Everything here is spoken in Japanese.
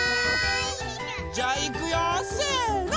じゃあいくよせの！